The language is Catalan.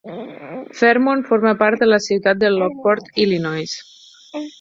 Fairmont forma part de la ciutat de Lockport, Illinois.